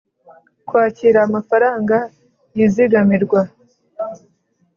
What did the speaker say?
kwakira amafaranga yizigamirwa